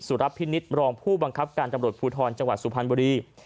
รับพินิษฐ์รองผู้บังคับการตำรวจภูทรจังหวัดสุพรรณบุรี